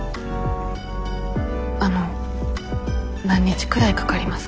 あの何日くらいかかりますか？